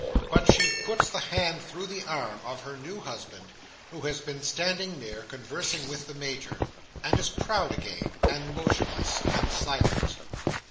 But, she puts the hand through the arm of her new husband, who has been standing near, conversing with the Major, and is proud again, and motionless, and silent.